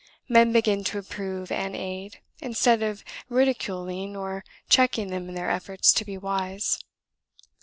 Men begin to approve and aid, instead of ridiculing or checking them in their efforts to be wise.